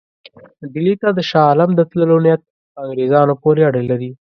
ډهلي ته د شاه عالم د تللو نیت په انګرېزانو پورې اړه لري.